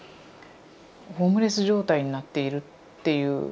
ホームレス状態になっているっていう。